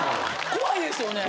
怖いですよね。